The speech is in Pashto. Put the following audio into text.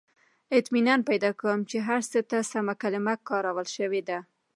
• اطمینان پیدا کوم، چې هر څه ته سمه کلمه کارول شوې ده.